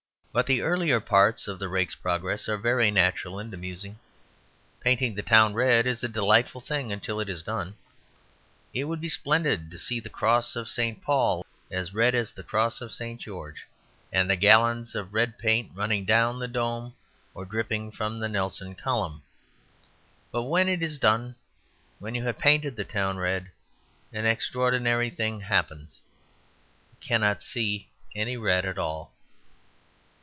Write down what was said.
But the earlier parts of the rake's progress are very natural and amusing. Painting the town red is a delightful thing until it is done. It would be splendid to see the cross of St. Paul's as red as the cross of St. George, and the gallons of red paint running down the dome or dripping from the Nelson Column. But when it is done, when you have painted the town red, an extraordinary thing happens. You cannot see any red at all.